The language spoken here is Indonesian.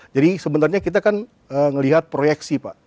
jadi sebenarnya kita kan melihat proyeksi pak